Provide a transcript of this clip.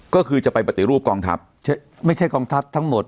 ก็คือจะไปปฏิรูปกองทัพไม่ใช่กองทัพทั้งหมด